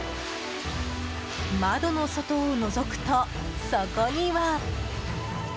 窓の外をのぞくと、そこには。